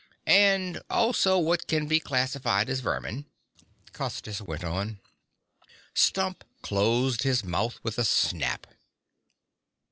" and also what can be classified as vermin," Custis went on. Stump closed his mouth with a snap.